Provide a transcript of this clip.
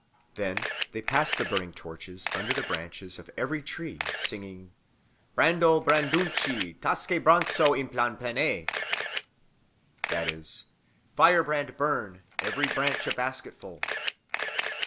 Then they pass the burning torches under the branches of every tree, singing. "Brando, brandounci tsaque brantso, in plan panei!" that is, "Firebrand burn; every branch a basketful!"